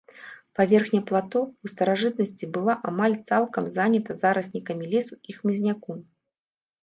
Паверхня плато ў старажытнасці была амаль цалкам занята зараснікамі лесу і хмызняку.